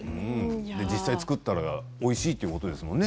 実際作ったらおいしいということなんですよね。